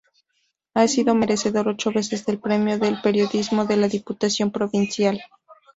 Ha sido merecedor ocho veces del premio de Periodismo de la Diputación Provincial.